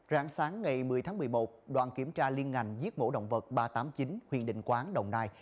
ráng sáng ngày một mươi tháng một mươi một đoàn kiểm tra liên ngành giết mổ động vật ba trăm tám mươi chín huyện định quán đồng nai